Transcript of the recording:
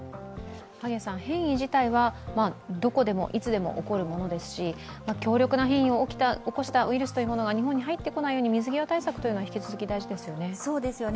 変異自体は、どこでもいつでも起こるものですし強力な変異を起こしたウイルスが日本に入ってこないように水際対策は引き続き大事ですよね。